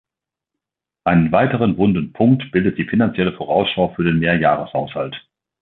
Einen weiteren wunden Punkt bildet die Finanzielle Vorausschau für den Mehrjahreshaushalt.